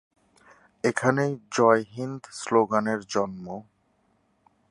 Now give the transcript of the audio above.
এখানেই ‘জয় হিন্দ’ স্লোগানের জন্ম।